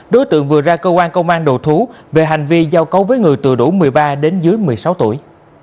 đối tượng vừa ra cơ quan công an đầu thú về hành vi giao cấu với người từ đủ một mươi ba đến dưới một mươi sáu tuổi